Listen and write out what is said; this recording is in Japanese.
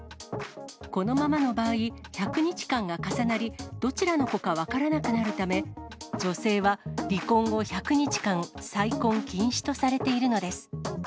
このままの場合、１００日間が重なり、どちらの子か分からなくなるため、女性は離婚後１００日間、再婚禁止とされているのです。